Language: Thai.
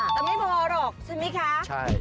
แต่ไม่พอหรอกใช่ไหมคะ